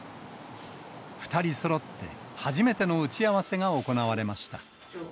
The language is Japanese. ２人そろって初めての打ち合わせが行われました。